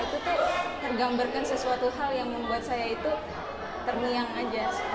itu tergambarkan sesuatu hal yang membuat saya terniang saja